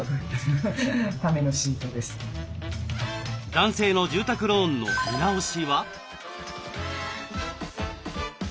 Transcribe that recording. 男性の住宅ローンの見直しは？